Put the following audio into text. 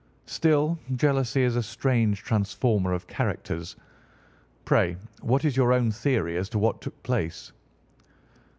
"Still, jealousy is a strange transformer of characters. Pray what is your own theory as to what took place?"